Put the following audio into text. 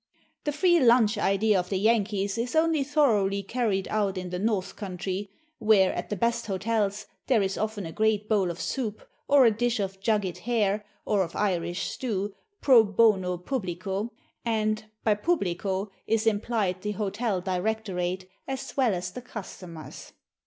The "free lunch" idea of the Yankees is only thoroughly carried out in the "North Countree," where, at the best hotels, there is often a great bowl of soup, or a dish of jugged hare, or of Irish stew, pro bono publico; and by publico is implied the hotel directorate as well as the customers.